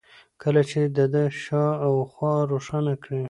كله چي د ده شا و خوا روښانه كړي